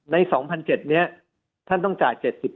ใน๒๗๐๐นี้ท่านต้องจ่าย๗๘